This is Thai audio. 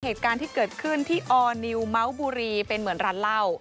เหตุการณ์ที่เกิดขึ้นที่ออร์นิวเมาส์บุรีเป็นเหมือนร้านเหล้า